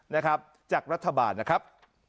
นะครับจากรัฐบาลนะครับ